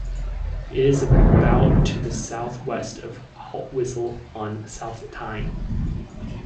It is about to the south-west of Haltwhistle, on the South Tyne.